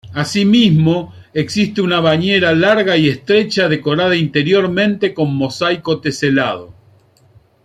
Asimismo, existe una bañera larga y estrecha, decorada interiormente con mosaico teselado.